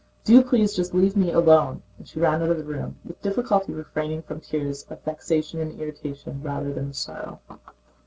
"Do please just leave me alone!" And she ran out of the room, with difficulty refraining from tears of vexation and irritation rather than of sorrow.